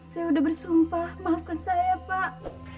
saya sudah bersumpah maafkan saya pak